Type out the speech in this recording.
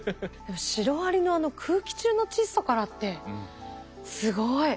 シロアリのあの空気中の窒素からってすごい。